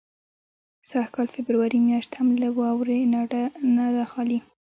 سږ کال فبروري میاشت هم له واورو نه ده خالي.